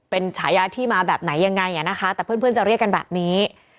เป็นฉายาที่มาแบบไหนยังไงนะคะแต่เพื่อนจะเรียกกันแบบนี้